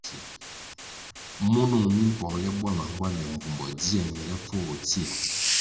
Munung mi mpongle bwama ngwande mbvumbo dzia ñelepfuo bo tsia.